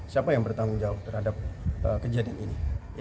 siapa yang bertanggung jawab terhadap kejadian ini